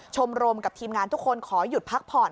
ชมรมกับทีมงานทุกคนขอหยุดพักผ่อน